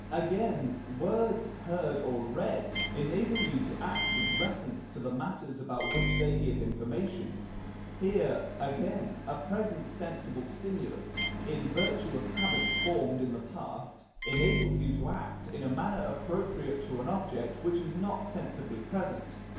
Again, words heard or read enable you to act with reference to the matters about which they give information; here, again, a present sensible stimulus, in virtue of habits formed in the past, enables you to act in a manner appropriate to an object which is not sensibly present.